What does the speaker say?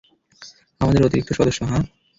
আমাদের অতিরিক্ত সদস্য, হাহ?